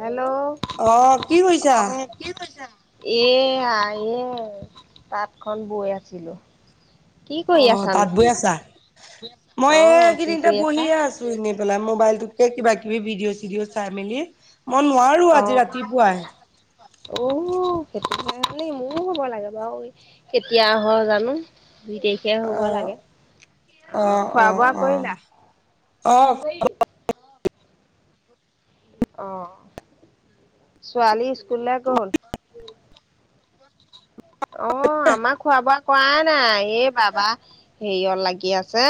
Hello অ কি কৰিছা আহ কি কৈছা? এ, আ তাঁতখন বৈ আছিলো। কি কৰি অ আছানো 'তাত বৈ আছা? মই অ এই কি কেইদিনটা কৰি আছা বহিয়ে আছো এ পেলাই মোবাইল কে কিবা-কিবি ভিডিঅ' চিডিঅ' চাই মেলি। মই নোৱাৰো অ আজি ৰাতিপুৱাই। অ' সেইটো কাৰণে মোৰো কব লাগে বাৰু কেতিয়া হয় জানো। দুই তাৰিখে অ হ'ব লাগে। অ' অ খোৱা-বোৱা অ কৰিলা? অ অ' ছোৱালী স্কুললৈ গ'ল। অ' আমাৰ খোৱা বোৱা কৰাই নাই, এই বাবা হেৰিয়ত লাগি আছে।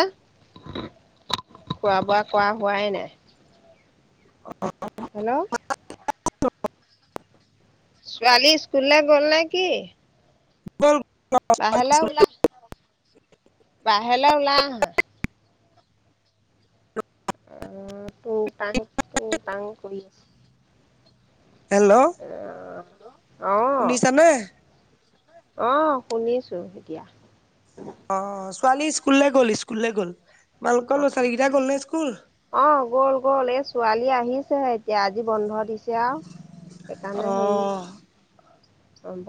খোৱা-বোৱা কৰা হোৱাই নাই। অ। হেল্ল'। ছোৱালী স্কুলৰে গল ন কি? গল। বাহেলো ওলা। বাহিৰলে ওলাই অহা। অ' তোৰ তং তোৰ তং কৰি আছে। হেল্ল'। আহ শুনিছা নে? আহ, শুনিছো এতিয়া। অ 'ছোৱালী স্কুললৈ গ'ল, স্কুললৈ গ'ল। তোমালোকৰ অ, ল'ৰা ছোৱালী কেইটা গ'ল নে স্কুল অ, গ'ল, গ'ল এই ছোৱালী আহি ছে, এতিয়া আজি বন্ধ দিছে আৰু অ সেইকাৰণে হেৰি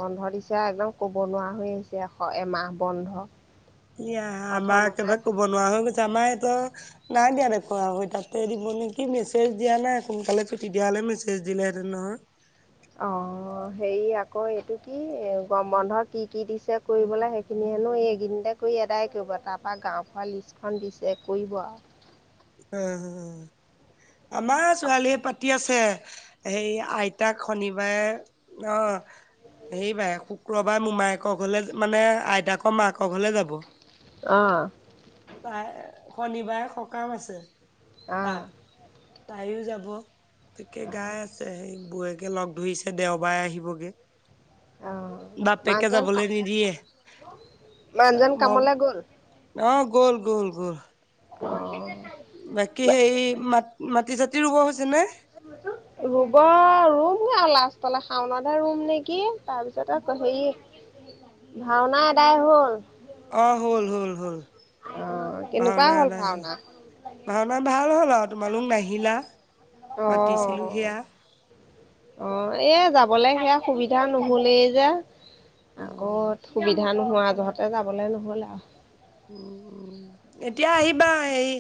বন্ধ দিছে একদম ক'ব নোৱাৰা হৈ আহিছে এশ এমাহ বন্ধ। এয়া আমাৰ প্ৰথমতে একেবাৰে ক'ব নোৱাৰা হৈ গৈছে আমাৰ। নাই দিয়া দেখুৱা, তাতে দিব নেকি মেছেজ দিয়া নাই সোনকালে চো তে দিয়া হলে মেছেজ। দিলে হেতেন নহয়। অ' হেৰি আকৌ এইটো কি বন্ধ কি কি দিছে কৰিবলে সেইখিনি হেনো এইকিনতে কৰি আদাই কৰিব, তাৰপা গাও ফোৱা লিষ্টখন দিছে কৰিব আৰু। উম হম। আমাৰ ছোৱালীয়ে পাতি আছে, সেই আইতাক শনিবাৰে অ। সেইবাৰে শুক্ৰবাৰে মোমায়েকক ঘৰলে মানে আইতাকৰ মাকক হলে যাব। অহ। তাই শনিবাৰে সকাম আছে। আহ। তাত তাইও যাব তাকে গাই আছে সেই ব। লগ ধৰিছে দেওবাৰে আহিবগে। অ', বাপেকে মানুহজন কা যাবলে নিদিয়ে। মানুহজন ম কামলে গ'ল? অ গল গল গল। অঁ। বাকী সেই মাটি চাটি ৰুব হৈছে নে। ৰুব ৰুমহে আও, লাষ্টতলে শাওনত হে ৰুম নেকি তাৰপিছতে। হেৰি ভাওনা এদাই হ'ল। অ হল হ'ল হ'ল। অ', কেনেকুৱা ভাওনা এদাই হল ভাওনা? ভাওনা ভাল হল আও তোমালোক নাহিলা মাতিছিলো অ', সেয়া। অ এ যাবলে সেয়া সুবিধা নহলে যে। অ আকৌ সুবিধা নোহোৱা যহতে যাবলে নহ'ল আও। উ এতিয়া আহিবা হেৰি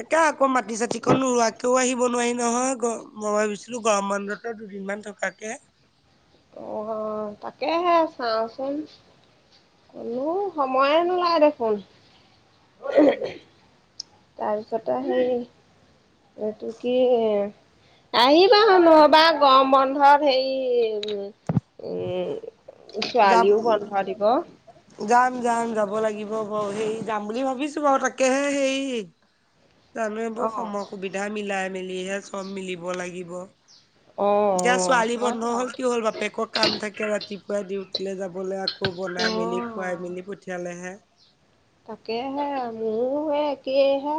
তাকে আকৌ মাটি চাতি নুওৰুৱাকেও আহিব। নোৱাৰি নহয় গ মই ভাবিছিলো গৰম বন্ধটোত দুদিনমান থকাকে। অ তাকেহে চাওঁচোন। কলো সময়ে নোলায় দেখোন। তাৰপিছতে সেই এইটো কি। আহিবা হ নহবা গৰমবন্ধত হেৰি উ উম। যাম ছোৱালীও বন্ধ দিব। যাম যাব লাগিব বাৰু সেই যাম বুলি ভাবিছো বাও তাকেহে সেই। জানো এইবোৰ অ', অ', সময় সুবিধা মিলাই মেলিহে চব মিলিব লাগিব। এইয়া অ', ছোৱালী হয় বন্ধ হ'ল কি বাৰু হ'ল, বাপেকৰ কাম থাকে ৰাতি। ডিউটিলে যাবলে আকৌ বনাই মেলি খুৱাই অ'। মেলি পঠিয়ালেহে। তাকেহে, মোৰে একেইহে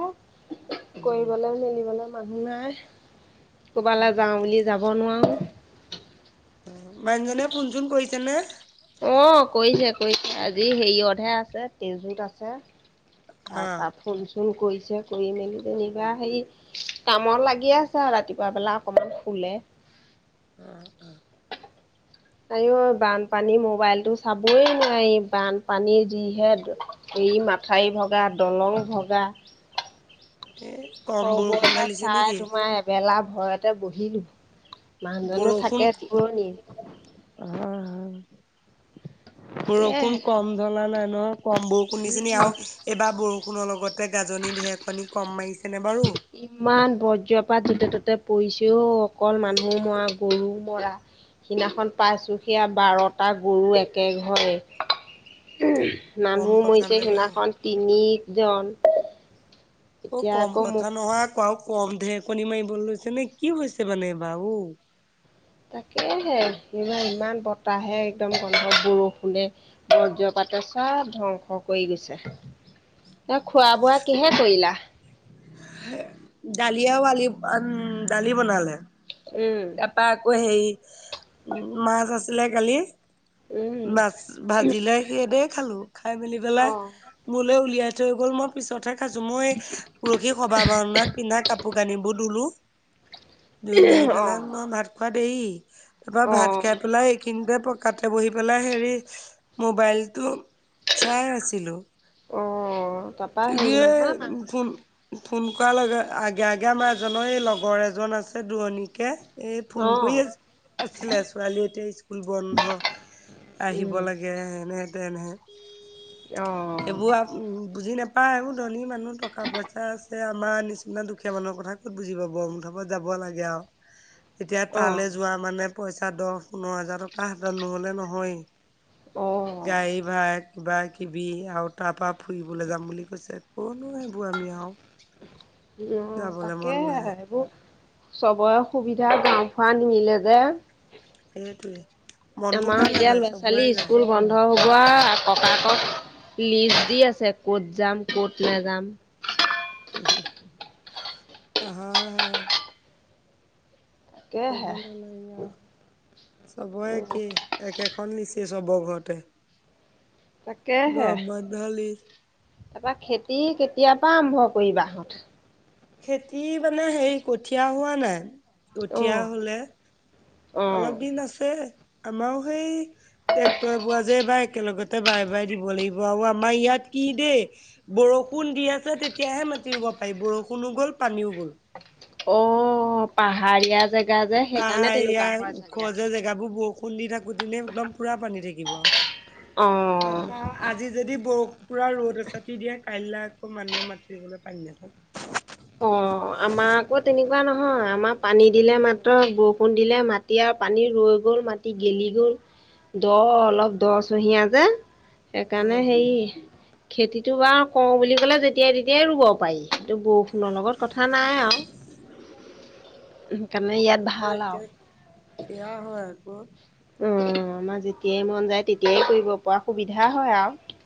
কৰিবলৈ মেলিবলৈ। মানুহ নাই ক'ৰবালে যাওঁ বুলি যাব নোৱাৰোঁ। মানুহজনে ফোনচোন কৰিছে নে। অ', কৰিছে আজি হেৰিয়তহে আছে তেজুত আছে অ তাৰপা ফোন চুন। ফোন কৰিছে কৰি মেলি যেনিবা সেই, কামত লাগি আছে আও ৰাতিপুৱা বেলা অকমান শুলে অ অ। আই অই বানপানী মোবাইলটো চাবই নোৱাৰি বানপানীৰ যিহে হেৰি মাথাউৰি ভগা দলং ভগা এই কম বৰষুণ চবতে ঢালিছে চাই নেকি তোমাৰ এবেলা ভয়তে বহিলো মানুহজনো বৰষুণ থাকে দূৰণিত অহ, বৰষুণ তাকেহে কম ধলা নাই নহয় কম বৰষুণ দিছে নি আৰু এইবাৰ বৰষুণৰ লগতে গাজনি ঢেৰকনি কম মাৰিছে নে বাৰু ইমান বজ্ৰপাত যতে ততে পৰিছে অ অকল মানুহ মৰা গৰু মৰা সেইদিনাখন পাইছোঁ সেয়া বাৰটা গৰু একে ঘৰে উমহ, কম মানুহ কথা মৰিছে নে বাৰু সেইনাখন তিনি জন অ কম কথা নহয় আ ক কম ঢেৰেকণী মাৰিব লৈছে নে কি হৈছে মানে এইবাৰ অ তাকে হে এইবাৰ ইমান বতাহে একদম বৰষুণে বজ্ৰপাতে চব ধ্বংস কৰি গৈছে এ খোৱা বোৱা কিহে কৰিলা দালি আৰু আলি উম দালি বনালে। উম তাপা আকৌ হেই উম মাছ আছিলে কালি উম মাছ ভাজিলে সেই দিয়ে খালো খাই মেলি অ পেলাই মোলে উলিয়াই থৈ গ'ল মই পিছতহে খাইছো মই পুৰহি সভা ভাওঁনাত পিন্ধা কাপোৰ কানিবোৰ ধুলো ধুই মেলি পেলাই মই অ ভাত খোৱা দেৰি তাপা অ ভাত খাই পেলাই এইখিনিতে পকাতে বহি পেলাই হেৰি মোবাইলটো চাই আছিলো অঁ তুমি এ ফোন ফোন কৰাৰ লগে আগে আগে আমাৰ এজনৰ এই লগৰ এজন আছে দুৰণিকে এই ফোন অ কৰি আ আছিলে ছোৱালী এতিয়া স্কুল বন্ধ। আহিব উম লাগে এনেহ তেনেহে অ সেইবোৰ আ উম বুজি নেপ পাই সেইবোৰ ধনী মানুহ টকা পইচা আছে আ আমাৰ নিচিনা দুখীয়া মানুহৰ কথা ক'ত বুজি পাব মুঠ ওপৰত যাব লাগে আৱ এতিয়া অ তালে যোৱা মানে পইচা দহ পোন্ধৰ হাজাৰ টকা হাতত নহ'লে নহয়ে অ গাড়ী ভাড়া কিবা কিবি আৰু তাপা ফুৰিবলে যাম বুলি ক নো সেইবোৰ আমি আৱ অ তাকে এইবোৰ চবৰে অসুবিধা গাওঁ ফুৰা নিমিলে যে সেইটোৱে মন নো কাৰ নেযায় চবৰে যায় ভগোৱা ককা কক লিজ দি আছে ক'ত যাম ক'ত নেযাম হয় হয় ক'ব তাকেহে নেলাগে আৱ, চবৰে একেই একেখন নিচিনা চব ঘৰতে, গৰম বন্ধ লিজ তাপা খেতি কেতিয়া পা আৰম্ভ কৰিবাহঁত খেতি মানে হেৰি কঠিয়া হোৱা নাই কঠিয়া অ', হ'লে অ'। অলপ দিন আছে আমাৰো সেই টেক্টৰে বোৱা যে এইবাৰ একেলগতে বাই বাই দিব লাগিব আৰু আমাৰ ইয়াত কি দেই বৰষুণ দি আছে তেতিয়াহে মাতি ৰুব পাৰি বৰষুণ ষোনো গ'ল পানীও গ'ল অ পাহাৰীয়া জেগা যে সেইকাৰণে তেনেকুৱা হয় চাগে। খুন্দি থাকোতেনে একদম পুৰা পানী থাকিব অ'। তাপা আজি যদি বৰ পুৰা ৰ'দ এচাতি দিয়ে কাইলে আকৌ মানুহ মাতিবলৈ পানী নেপাওঁ অ আমাৰ আকৌ তেনেকুৱা নহয় আমাৰ পানী দিলে মাত্ৰ বৰষুণ দিলে মাটি আৰু পানী ৰৈ গ'ল মাটি গেলি গ'ল। দ অলপ দ চহিয়া যে অ সেইকাৰণে সেই খেতিত [unintelligible] টো বাৰ কওঁ বুলি ক'লে যেতিয়াই তেতিয়াই ৰুব পাৰি এই বু খুনৰ লগত কথা নাই আৰু সেইকাৰণে ইয়াত হয় ভাল আৰু এয়া হয় আক অ আমাৰ যেতিয়াই মন যায় তেতিয়াই কৰিব পৰা সুবিধা হয় আৰু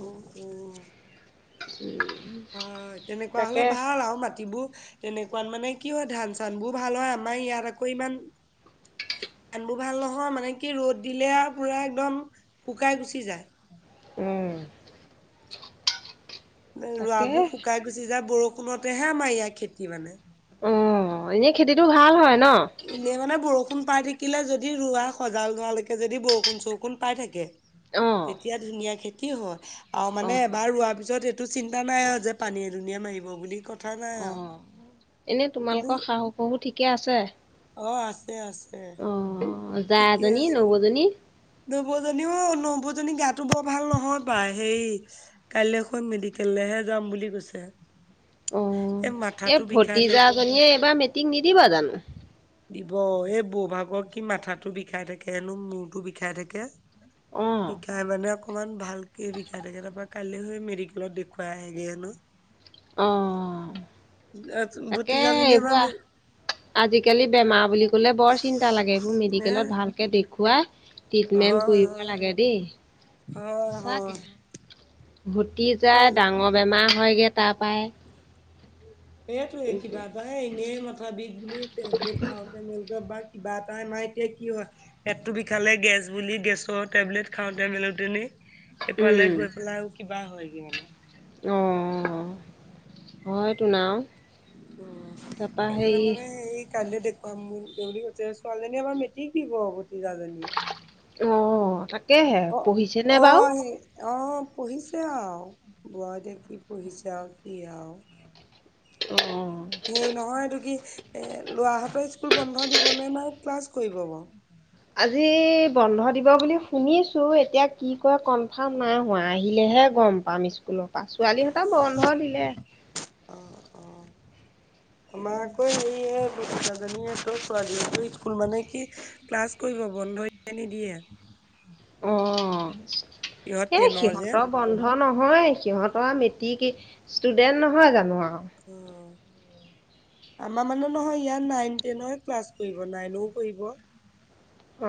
উম উম [inaudible] হয় তেনেকুৱা হলে তাকে ভাল আৰু মাটিবোৰ তেনেকা [unintelligible] অকমান মানে কি হয় ধান চান বোৰ ভাল হয় আমাৰ ইয়াত আকৌ ইমান [unintelligible] কামবোৰ ভাল নহয় মানে কি ৰ'দ দিলে আৰু পুৰা একদম শুকাই গুচি যায় উম তাকে ৰোৱাবোৰ শুকাই গুচি যায় বৰষুণতেহে আমাৰ ইয়াৰ খেতি মানে [unintelligible] অ এনেই খেতিটো ভাল হয়। ন এনে মানে বৰষুণ বৰষুণ পাই থাকিলে যদি ৰোৱা সজাল হোৱালৈকে যদি বৰষুণ চৰষুণ পাই থাকে। [unintelligible] তেতিয়া অ' ধুনীয়া খেতি হয় আৰু মানে এবাৰ ৰোৱাৰ পিছত [unintelligible] এইটো চিন্তা নাই যে পানী এ দুনীয়া মাৰিব বুলি কথা নাই অ আৰু এনে কিন্তু তোমালোকৰ শাহু শহু ঠিকে আছে? অ আছে আছে। অ' জা ঠিকে এজনী আছে নবৌজনী। নৌবজনীও নৌবজনী গাতো বৰ ভাল নহয় পাই সেই কাইলৈখন মেডিকেললেহে যাম বুলি কৈছে। [inaudible] অ এই মাথাটো বিষাই থাকে ভতিজাজনীয়ে এইবাৰ মেট্ৰিক নিদিব জানোঁ। [unintelligible] দিব এই বৌভাগৰ কি মাথাটো বিষাই থাকেনো মূৰটো বিষাই থাকে। অ' বিষাই মানে কৌ [unintelligible] অকণমান ভালকৈ বিষাই থাকে তাৰপৰা কাইলৈ হৈ মেডিকেলত দেখুৱাই আহেগৈ হেনো অ তাকে ভতিজাজনী আমাৰ এইবোৱা হে আজিকালি বেমাৰ বুলি কলে বৰ চিন্তা লাগে এইবোৰ মেডিকেলত ভালকে দেখুৱাই। ট্ৰিটমেন্ট হয় কৰিব লাগে দেই। হয় সচাকে হয় ঘতি হয় যায় ডাঙৰ বেমাৰ। হয়গে তাৰ পই এইটোৱে কিবা এটাই এনেই মাথা বিষ বুলি টেবলেট খাওঁতে ম [unintelligible] কিবা এটা আমাৰ এতিয়া কি হয় পেটটো বিষালে গেছ বুলি গেছৰ টেবলেট খাওঁতে মেলোতে [unintelligible] সেইফালে গৈ পেলাই আৰু কিবা হয় কি মানে। অঁ হয়তোনা। [unintelligible] মানে এই কাল [unintelligible] ক বুলি কৈছে ছোৱালীজনীয়ে এবাৰ মেট্ৰিক দিব। ভতিজাজনীয়ে অ' তাকেহে অ পঢ়িছেনে বাৰু? আহ সেই অ পঢ়িছে আৰু বোৱাৰ বোৱা কি পঢ়িছে আৰু কি আৰু। অ সেই নহয়টো কি এ লোৱাহঁতৰ স্কুল বন্ধ দিবনে নাই ক্লাছ কৰিব বাৰ। আজি বন্ধ দিব বুলি শুনিছো এতিয়া কি কয় কনফাৰ্ম নাই হোৱা আহিলেহে হে গম পাম স্কুলৰ পৰা ছোৱালীহঁত বন্ধ দিলে। [unintelligible] অ অ আমাৰ আকৌ সে কাজীয়ে ত ছোৱলী স্কুল মানে কি ক্লাছ কৰিব বন্ধ নিদিয়ে। [unintelligible] অ ইহঁত এই টেনৰ যে সিহঁতৰ বন্ধ ন। নহ সিহঁতৰ মেট্ৰিক ষ্টুডেন্ট নহয় জানো আৰু। উ আমাৰ মানে নহয় ইয়াত নাইন টেনৰ ক্লাছ কৰিব নাইনও কৰিব। অ,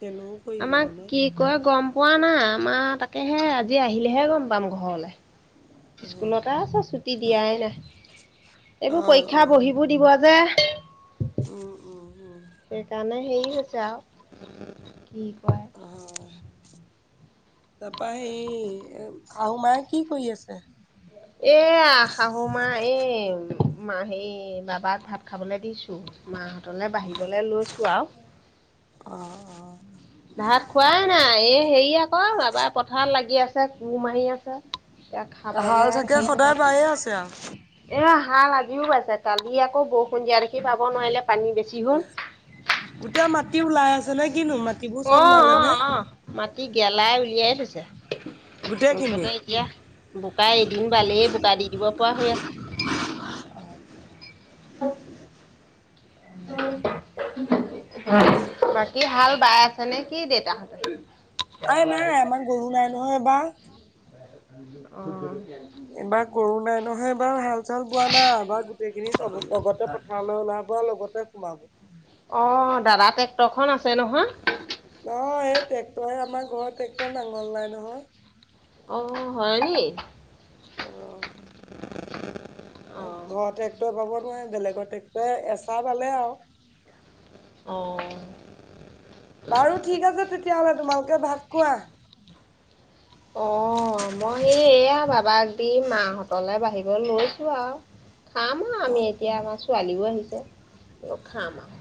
টেনো কৰিব আমাক মানে কি কয় গম পোৱা নাই আমাৰ তাকেহে আজি আহিলেহে গম পাম ঘৰলে। অ স্কুলতে আছোঁ ছুটি দিয়াই নাই। এইবোৰ অ পৰীক্ষা অ বহিবোৰ দিব যে। উম উম উম সেইকাৰণে হেৰি হৈছে আৰু কি কয় আহ। তাৰাপৰা সেই শাহু মায়ে কি কৰি আছে? এয়া শাহু মা এই মা সেই বাবাক ভাত খাবলৈ দিছোঁ মা আমালে বাঢ়িবলৈ লৈছোঁ আৰু। অ ভাত খোৱাই নাই এই হেৰি আকৌ এবাৰ পথাৰত লাগি আছে কুৰ মাৰ মাৰি আছে, এয়া অ হাল খাবলৈ চাগে আহ সদায় বায়ে আছে আৰু এয়া হাল আজিও বাইছে, কালি আকৌ বহু সন্ধিয়া দেখি বাব নোৱাৰিলে পানী বেছি হ'ল। গোটেই মাটি ওলাই আছে নে কিনো মাটিবোৰ চব অ', ওলালে নে অ'-অ' মাটি গেলাই উলিয়াই থৈছে। গোটেইখিনি মুঠতে এতিয়া বোকাই এদিন বালিয়ে বোকা দি দিব পৰা হৈ আছে। [inaudible] [unintelligible] [unintelligible] কি হাল বাই আছে নে কি দেতাহঁতে? অই নাই আমাৰ গৰু নাই নহয় এইবাৰ। অ'। এইবাৰ গৰু নাই নহয়, বাও হাল চাল বোৱা নাই এবাৰ গোটেইখিনি চব লগতে পথাৰলৈ ওলাব আৰু লগতে সোমাব। অ' দাদা ট্ৰেক্টৰখন আছে নহয়। নহয় এই ট্ৰেক্টৰে আমাৰ ঘৰত টেক্টৰ নাঙল নাই নহয়। অ' হয়নি? অ'। এ অ' ঘৰৰ ট্ৰেক্টৰে বাব নোৱাৰে, বেলেগৰ ট্ৰেক্টৰে এচা বালে আৰু। অ'। বাৰু ঠিক আছে তেতিয়াহলে তোমালোকে ভাত খোৱা। অ' মই সেই এয়া বাবাক দি মাহঁতলে বাঢ়িব লৈছো আৰু। খাম আৰু আমি অ এতিয়া আমাৰ ছোৱালীও আহিছে। অ খাম আৰু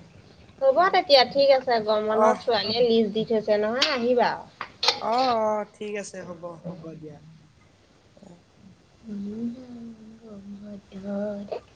হ'ব তেতিয়া ঠিক আছে গৰম অ বন্ধত ছোৱালীয়ে লিষ্ট দি থৈছে নহয় আহিবা। অ' অ' ঠিক আছে হ'ব- হ'ব দিয়া। [unintelligible]